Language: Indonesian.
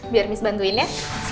biar miss bantuin ya